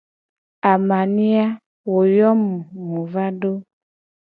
Amania, wo yo mu mu va do.